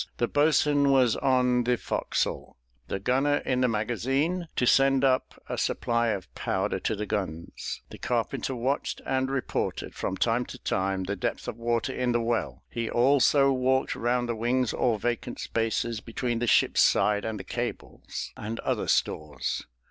The boatswain was on the forecastle; the gunner in the magazine, to send up a supply of powder to the guns; the carpenter watched and reported, from time to time, the depth of water in the well; he also walked round the wings or vacant spaces between the ship's side and the cables, and other stores.